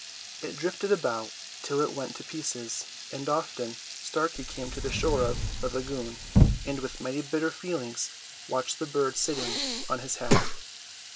It drifted about till it went to pieces, and often Starkey came to the shore of the lagoon, and with many bitter feelings watched the bird sitting on his hat.